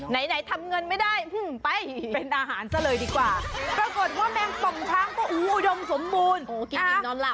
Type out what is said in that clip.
ไหนทำเงินไม่ได้ไปเป็นอาหารซะเลยดีกว่าปรากฏว่าแมงป่องช้างก็อุ้ยดมสมบูรณ์